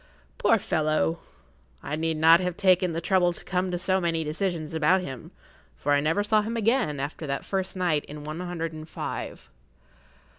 Poor fellow! I need not have taken the trouble to come to so many decisions about him, for I never saw him again after that first night in one hundred and five.